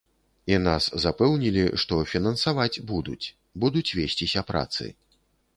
І нас запэўнілі, што фінансаваць будуць, будуць весціся працы.